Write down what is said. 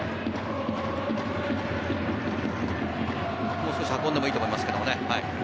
もう少し運んでもいいと思いますけどね。